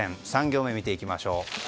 ３行目、見ていきましょう。